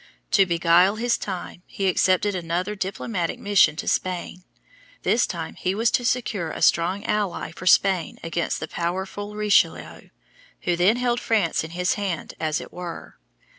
To beguile his time he accepted another diplomatic mission to Spain. This time he was to secure a strong ally for Spain against the powerful Richelieu who then held France in his hand as it were.